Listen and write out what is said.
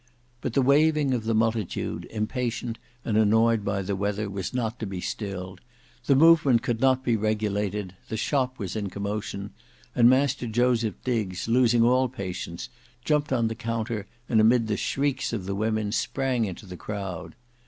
But the waving of the multitude, impatient, and annoyed by the weather, was not to be stilled; the movement could not be regulated; the shop was in commotion; and Master Joseph Diggs, losing all patience, jumped on the counter, and amid the shrieks of the women, sprang into the crowd.